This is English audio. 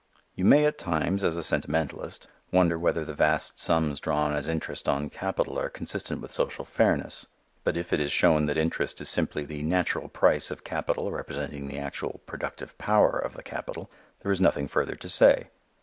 You may at times, as a sentimentalist, wonder whether the vast sums drawn as interest on capital are consistent with social fairness; but if it is shown that interest is simply the "natural price" of capital representing the actual "productive power" of the capital, there is nothing further to say.